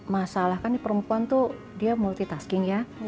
masalah kan perempuan itu multitasking ya